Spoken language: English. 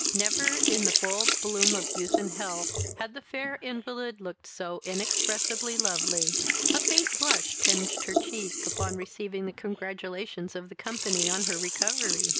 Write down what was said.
Never, in the full bloom of youth and health, had the fair invalid looked so inexpressibly lovely. A faint blush tinged her cheek upon receiving the congratulations of the company on her recovery.